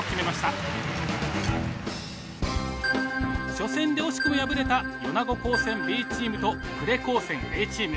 初戦で惜しくも敗れた米子高専Ｂチームと呉高専Ａチーム。